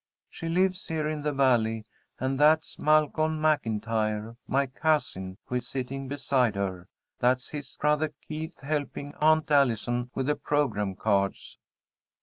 "She lives here in the Valley. And that's Malcolm MacIntyre, my cousin, who is sitting beside her. That's his brother Keith helping Aunt Allison with the programme cards."